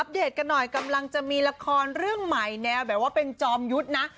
เดตกันหน่อยกำลังจะมีละครเรื่องใหม่แนวแบบว่าเป็นจอมยุทธ์นะ